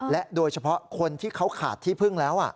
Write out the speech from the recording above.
และโดยเฉพาะคนที่เขาขาดที่พึ่งแล้ว